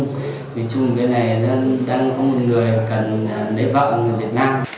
vì chung bên này nó đang có một người cần lấy vợ người việt nam